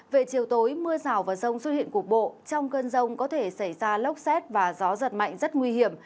về chiều tối mưa rào và rông xuất hiện cục bộ trong cơn rông có thể xảy ra lốc xét và gió giật mạnh rất nguy hiểm